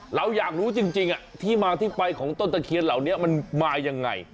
เราอยากรู้จริงที่มาที่ไปของต้นตะเคียนเหล่านี้มันมายังไง